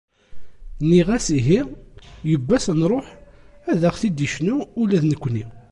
Nniɣ-as ihi yiwwas ad nṛuḥ ad aɣ-tt-id-icnu ula d nekkni.